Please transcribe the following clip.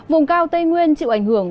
vùng cao tây nguyên chịu ảnh hưởng